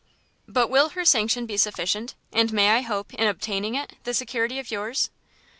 "But will her sanction be sufficient? and may I hope, in obtaining it, the security of yours?"